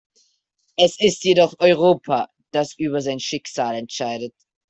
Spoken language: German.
Es ist jedoch Europa, das über sein Schicksal entscheidet.